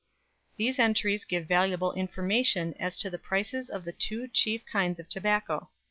These entries give valuable information as to the prices of the two chief kinds of tobacco.